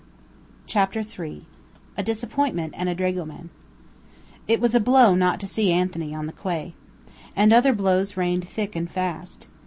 CHAPTER III A DISAPPOINTMENT AND A DRAGOMAN It was a blow not to see Anthony on the quay. And other blows rained thick and fast.